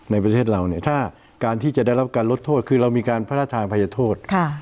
ในประเทศเราเนี่ยถ้าการที่จะได้รับการลดโทษคือเรามีการพระราชทานภัยโทษ